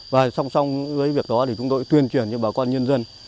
và song song với việc đó thì chúng tôi tuyên truyền cho bà con nhân dân